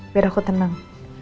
biar aku tenang